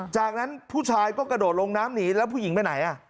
จากนั้นผู้ชายก็กระโดดลงน้ำหนีแล้วผู้หญิงไปไหน